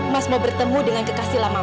mas mau bertemu dengan kekasih lama